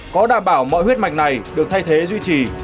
có đảm bảo mọi huyết mạch này được thay thế duy trì